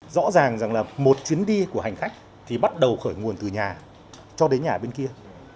rõ ràng rằng là một chuyến đi của hành khách thì bắt đầu khởi nguồn từ nhà cho đến nhà bên kia